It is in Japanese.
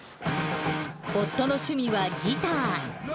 夫の趣味はギター。